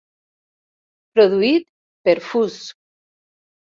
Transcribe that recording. Produït per Phuzz!